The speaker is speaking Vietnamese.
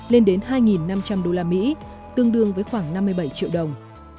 lên đến hai năm trăm linh usd tương đương với khoảng năm mươi bảy triệu đồng